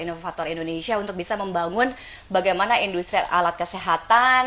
inovator indonesia untuk bisa membangun bagaimana industri alat alat ini bisa membangun bagaimana